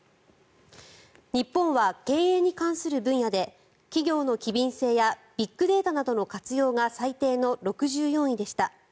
日本は経営に関する分野で企業の機敏性やビッグデータなどの活用が最低の６４位でした。